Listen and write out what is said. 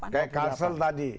kayak kasel tadi